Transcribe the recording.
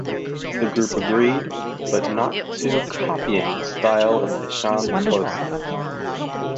The group agreed, but not to copying the style of Esham closely.